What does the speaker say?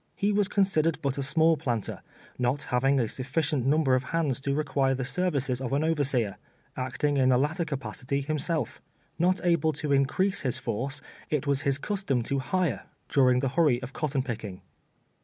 He was considered but a small planter, not having a sufficient number of hands to require the services of an overseer, acting in the latter capacity himself. ISTot able to increase his force, it was his custom to hire during the hurry of cotton picking.